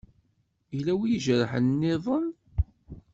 Yella wi ijerḥen nniḍen?